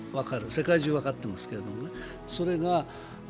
世界中分かっていますけれどもね。